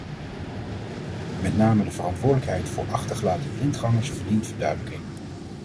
Met name de verantwoordelijkheid voor achtergelaten blindgangers verdient verduidelijking.